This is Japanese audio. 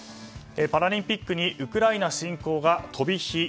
パラリンピックにウクライナ侵攻が飛び火。